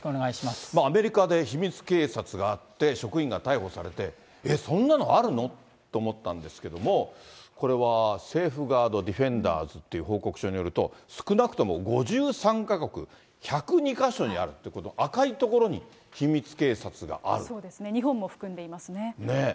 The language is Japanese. アメリカで秘密警察があって、職員が逮捕されて、えっ、そんなのあるのって思ったんですけれども、これはセーフガードディフェンダーズという報告書によると、少なくとも５３か国１０２か所にあるって、そうですね、日本も含んでいねえ。